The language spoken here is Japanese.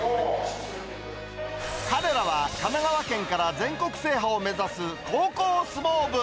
彼らは、神奈川県から全国制覇を目指す高校相撲部。